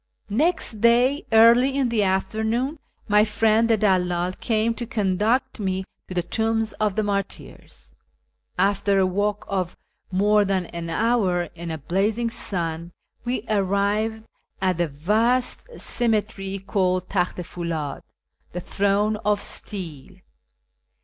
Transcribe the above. Next day, early in the afternoon, my friend the clalldl came to conduct me to the tombs of the martyrs. After a walk of more than an hour in a blazing sun, we arrived at the vast cemetery called Talcht i FuUid ("the Throne of Steel").